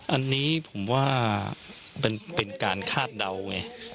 อันนี้ผมว่ามันเป็นการคาดเดาไง